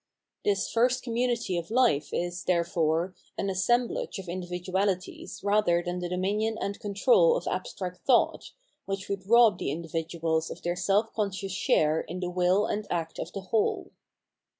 This first community of life is, therefore, an assemblage of individuahties rather than the dominion and control of abstract thought, which would rob the individuals of their self conscious share in the will and act of the whole.